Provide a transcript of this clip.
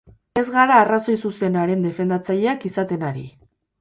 Ez gara arrazoi zuzenaren defendatzaileak izaten ari.